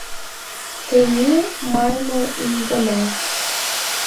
Тений Маймыл ий гына.